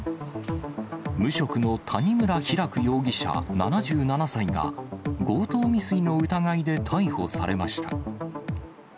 無職の谷村啓容疑者７７歳が強盗未遂の疑いで逮捕されました。